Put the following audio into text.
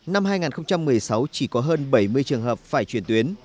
năm hai nghìn một mươi sáu chỉ có hơn bảy mươi trường hợp phải chuyển tuyến